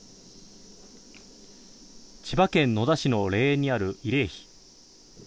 千葉県野田市の霊園にある慰霊碑。